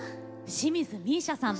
清水美依紗さん。